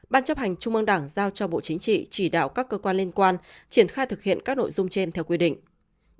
ban chấp hành trung ương đảng giao cho bộ chính trị chỉ đạo các cơ quan liên quan triển khai thực hiện các nội dung trên theo quy định